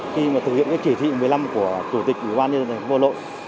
khi mà thực hiện cái chỉ thị một mươi năm của chủ tịch ủy ban nhân dân vô lội